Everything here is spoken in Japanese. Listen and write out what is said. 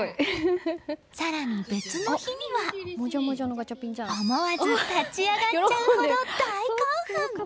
更に、別の日には思わず立ち上がっちゃうほど大興奮！